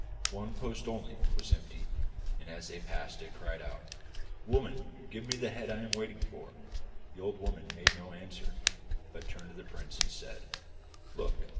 One post only was empty, and as they passed it cried out: 'Woman, give me the head I am waiting for!' The old woman made no answer, but turned to the prince and said: 'Look!